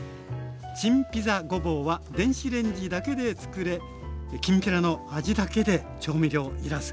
チンピザごぼうは電子レンジだけで作れきんぴらの味だけで調味料要らず。